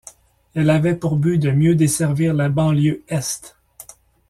Elle avait pour but de mieux desservir la banlieue est.